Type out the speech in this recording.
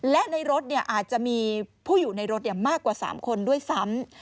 และในรถอาจจะมีผู้อยู่ในรถมากกว่า๓คนด้วยซ้ำ